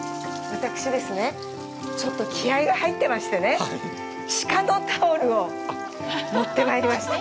私、ちょっと気合いが入ってましてね、鹿のタオルを持ってまいりました。